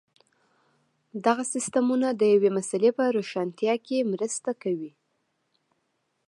دغه سیسټمونه د یوې مسئلې په روښانتیا کې مرسته کوي.